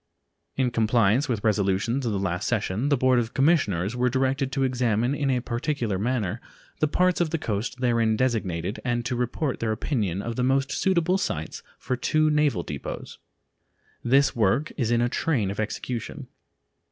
In compliance with resolutions of the last session, the Board of Commissioners were directed to examine in a particular manner the parts of the coast therein designated and to report their opinion of the most suitable sites for two naval depots. This work is in a train of execution.